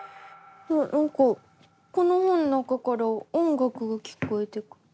なんかこの本の中から音楽が聞こえてくる。